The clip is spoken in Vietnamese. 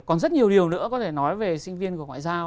còn rất nhiều điều nữa có thể nói về sinh viên của ngoại giao